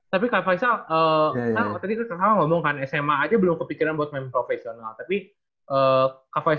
tapi kak faisal tadi kan sama ngomong kan sma aja belum kepikiran buat main profesional